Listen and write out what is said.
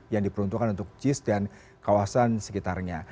yang diperuntukkan untuk jis dan kawasan sekitarnya